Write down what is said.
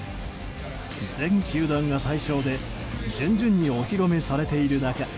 全球団が対象で順々にお披露目されている中